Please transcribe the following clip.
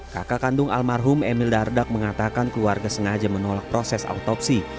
kakak kandung almarhum emil dardak mengatakan keluarga sengaja menolak proses autopsi